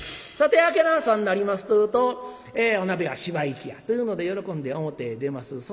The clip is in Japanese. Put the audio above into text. さて明けの朝になりますてえとお鍋は芝居行きやというので喜んで表へ出ます。